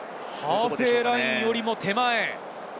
ハーフウェイラインよりも手前。